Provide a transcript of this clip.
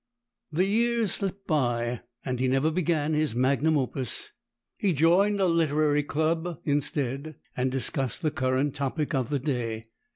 The years slipped by and he never began his magnum opus; he joined a literary club instead and discussed the current topic of the day.